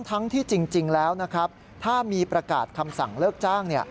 ทั้งที่จริงแล้วนะครับถ้ามีประกาศคำสั่งเลิกจ้าง